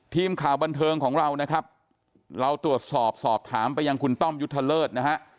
ทีมข่าวบันเทิงของเรานะครับเราตรวจสอบสอบถามไปยังคุณต้อมยุทธเลิศนะฮะ